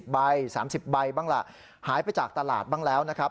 ใบ๓๐ใบบ้างล่ะหายไปจากตลาดบ้างแล้วนะครับ